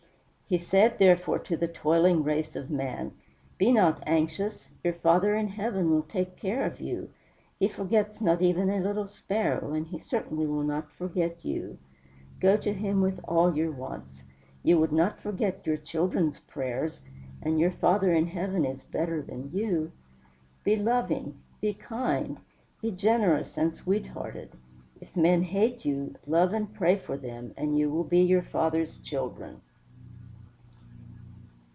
He said, therefore, to the toiling race of man: "Be not anxious, your Father in Heaven will take care of you. He forgets not even a little sparrow, and he certainly will not forget you. Go to him with all your wants. You would not forget your children's prayers; and your Father in Heaven is better than you. Be loving, be kind, be generous and sweet hearted; if men hate you, love and pray for them; and you will be your Father's children."